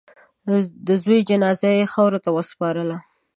د زوی جنازه یې خاورو ته وسپارله.